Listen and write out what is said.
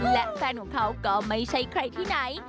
และแฟนของเขาก็ไม่ใช่ใครที่ไหน